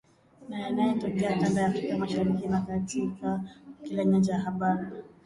na yanayotokea kanda ya Afrika Mashariki na Kati katika kila nyanja ya habari